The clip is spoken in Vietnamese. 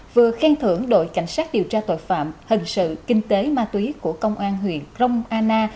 vừa khen thưởng đội cảnh sát điều tra tội phạm hình sự kinh tế ma túy của công an huyện rông anna